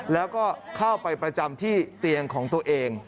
แล้วก็เข้าไปประจำที่เตียงของตัวเอง